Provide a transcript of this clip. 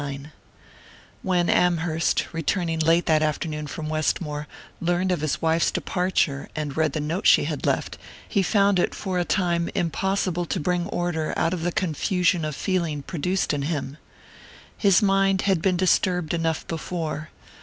XXXIX WHEN Amherst, returning late that afternoon from Westmore, learned of his wife's departure, and read the note she had left, he found it, for a time, impossible to bring order out of the confusion of feeling produced in him. His mind had been disturbed enough before.